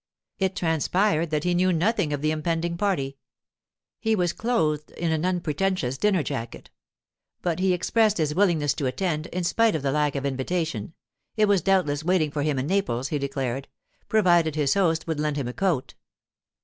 It transpired that he knew nothing of the impending party; he was clothed in an unpretentious dinner jacket. But he expressed his willingness to attend, in spite of the lack of invitation—it was doubtless waiting for him in Naples, he declared—provided his host would lend him a coat.